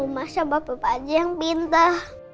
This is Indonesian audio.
kalau masa bapak bapak aja yang pindah